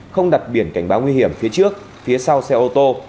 không đặt biển cảnh báo nguy hiểm phía trước phía sau xe ô tô